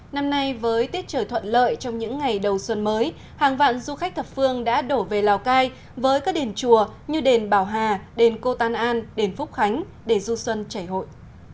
năm nay với tiết trời thuận lợi trong những ngày đầu xuân mới hàng vạn du khách thập phương đã đổ về lào cai với các đền chùa như đền bảo hà đền cô tan an đền phúc khánh để du xuân chảy hội